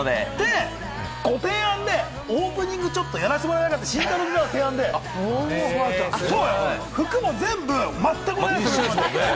ご提案でオープニング、ちょっとやらせてもらえないかって、慎太郎君からの提案で服も全部まったく同じ。